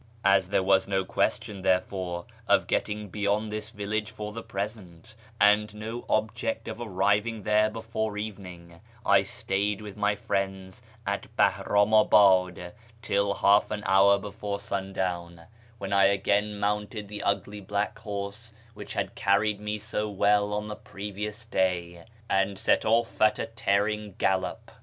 As there was no question, therefore, of getting beyond this village for the present, and no object in arriving there before evening, I stayed with my friends at Bahriimiibad till half an hour before sundown, when I again mounted the ugly black horse which had carried me so well on the previous day, and set off at a tearing gallop.